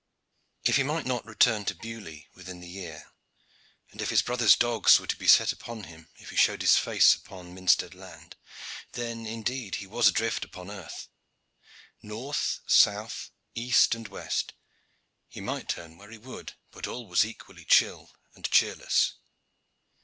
If he might not return to Beaulieu within the year, and if his brother's dogs were to be set upon him if he showed face upon Minstead land, then indeed he was adrift upon earth. North, south, east, and west he might turn where he would, but all was equally chill and cheerless.